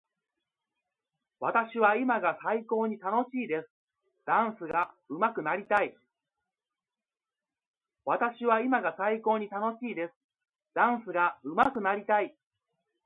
私は今が最高に楽しいです。ダンスがうまくなりたい。